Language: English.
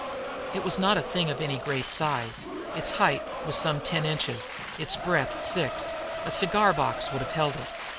It was not a thing of any great size its height was some ten inches, its breadth six; a cigar box would have held it.